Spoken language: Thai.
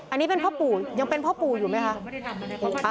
อันนี้เป็นพ่อปู่ยังเป็นพ่อปู่อยู่ไหมคะ